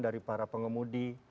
dari para pengemudi